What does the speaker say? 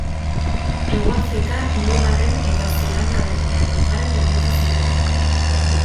Hegoafrika hirugarren eta Zeelanda Berria laugarren gelditu ziren.